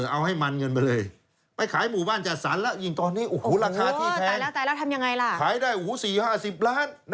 เอ้อนักเข้าไปอีก